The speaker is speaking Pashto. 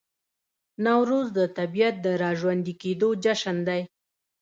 نوروز د طبیعت د راژوندي کیدو جشن دی.